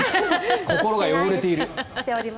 心が汚れている。